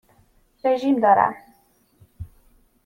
رژیم دارم.